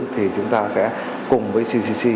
thì chúng ta sẽ cùng với cdc